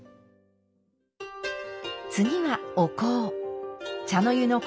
次はお香。